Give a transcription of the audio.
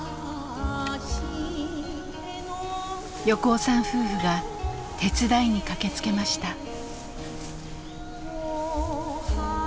横尾さん夫婦が手伝いに駆けつけました。